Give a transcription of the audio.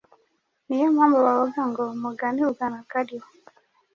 Ni yo mpamvu bavuga ngo umugani ugana akariho